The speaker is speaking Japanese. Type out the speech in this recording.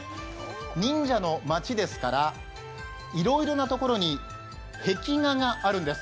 忍者の街ですから、いろいろなところに壁画があるんです。